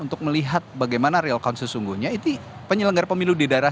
untuk melihat bagaimana real count sesungguhnya ini penyelenggara pemilu di daerah